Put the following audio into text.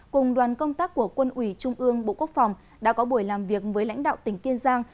cùng đoàn công tác của quân ủy trung ương bộ quốc phòng đã có buổi làm việc với lãnh đạo tỉnh kiên giang